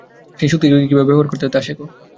সেই শক্তি কীভাবে ব্যবহার করতে হয় তা শেখো।